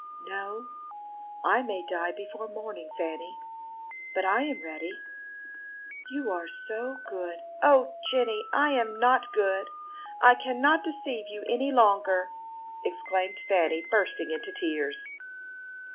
"No, I may die before morning, Fanny; but I am ready. You are so good " "O, Jenny! I am not good! I cannot deceive you any longer!" exclaimed Fanny, bursting into tears.